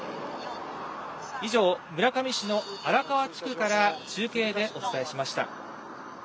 以上、村上市の荒川地区から中継でお伝えしました。